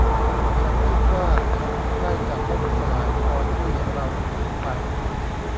ฉันคิดว่าฉันใกล้จะล่มสลายพอที่เราหนีไป